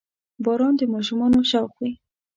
• باران د ماشومانو شوق وي.